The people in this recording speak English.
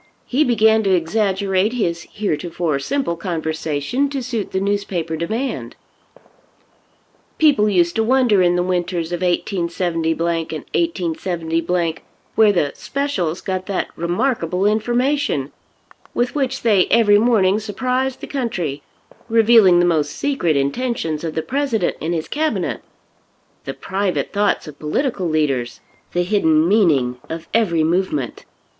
He began to exaggerate his heretofore simple conversation to suit the newspaper demand. People used to wonder in the winters of 187 and 187 , where the "Specials" got that remarkable information with which they every morning surprised the country, revealing the most secret intentions of the President and his cabinet, the private thoughts of political leaders, the hidden meaning of every movement.